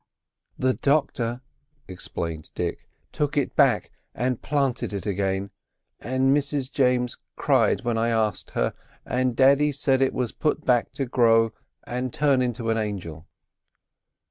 "The doctor," explained Dick, "took it back and planted it again; and Mrs James cried when I asked her, and daddy said it was put back to grow and turn into an angel."